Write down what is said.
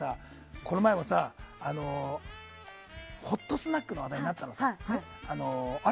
この間もさホットスナックの話題になったの。